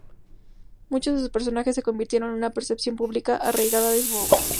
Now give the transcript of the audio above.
Muchos de sus personajes se convirtieron en una percepción pública arraigada de su obra.